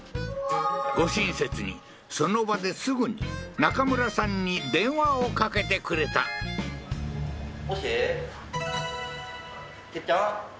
ご親切にその場ですぐにナカムラさんに電話をかけてくれたああ